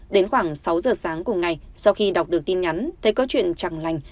đến khoảng sáu giờ sáng cùng ngày sau khi đọc được tin nhắn thấy có chuyện chẳng lành